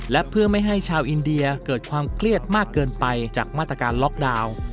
และเพื่อไม่ให้ชาวอินเดียเกิดความเครียดมากเกินไปจากมาตรการล็อกดาวน์